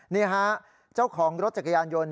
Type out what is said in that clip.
นี่ฮะเจ้าของรถจักรยานยนต์